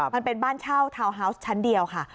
มันเป็นบ้านเช่าทาวน์ฮาวส์ชั้นเดียวค่ะ